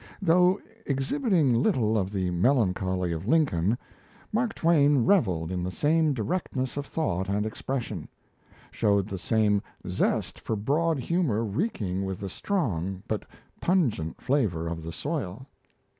Though exhibiting little of the melancholy of Lincoln, Mark Twain revelled in the same directness of thought and expression, showed the same zest for broad humour reeking with the strong but pungent flavour of the soil.